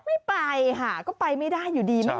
ไม่ไปค่ะก็ไปไม่ได้อยู่ดีมาก